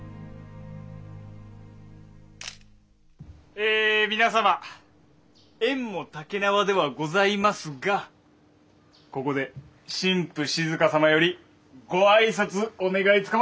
え皆様宴もたけなわではございますがここで新婦静様よりご挨拶お願いつかまつります！